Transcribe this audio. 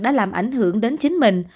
đã làm ảnh hưởng đến chính mình